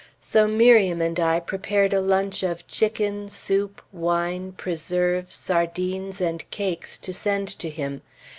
So Miriam and I prepared a lunch of chicken, soup, wine, preserves, sardines, and cakes, to send to him.